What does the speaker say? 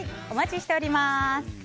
お待ちしております。